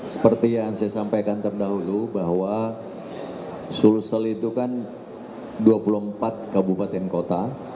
seperti yang saya sampaikan terdahulu bahwa sulsel itu kan dua puluh empat kabupaten kota